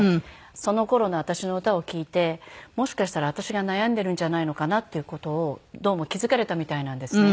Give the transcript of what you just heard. その頃の私の歌を聴いてもしかしたら私が悩んでいるんじゃないのかなっていう事をどうも気付かれたみたいなんですね。